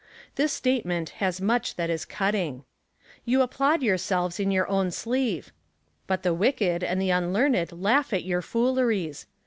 This statement has much that is cutting :" You applaud yourselves in your own sleeve ; but the wicked and the un learned laugh at your fooleries.